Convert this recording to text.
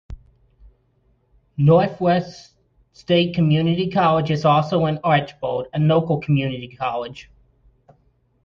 Northwest State Community College is also in Archbold, a local community college.